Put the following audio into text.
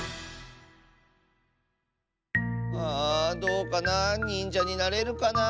あどうかな。にんじゃになれるかな？